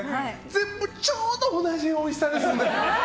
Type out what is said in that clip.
全部ちょうど同じおいしさですので！